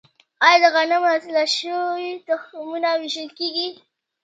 آیا د غنمو اصلاح شوی تخم ویشل کیږي؟